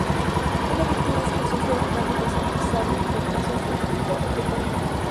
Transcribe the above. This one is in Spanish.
Una víctima es quien sufre un "daño" personalizable por "caso fortuito o culpa ajena".